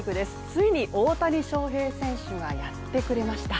ついに大谷翔平選手がやってくれました。